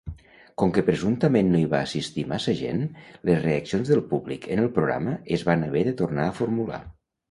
Com que presumptament no hi va assistir massa gent, les reaccions del públic en el programa es van haver de tornar a formular.